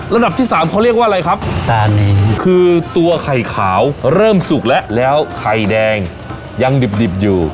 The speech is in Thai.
ระดับที่สามเขาเรียกว่าอะไรครับคือตัวไข่ขาวเริ่มสุกแล้วแล้วไข่แดงยังดิบดิบอยู่